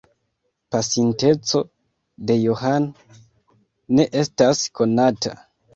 Pasinteco de Johan ne estas konata.